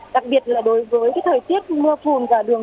đặc biệt là đối với cái thời tiết mưa phùn và đường